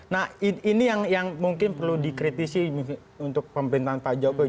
nah ini yang mungkin perlu dikritisi untuk pemerintahan pak jokowi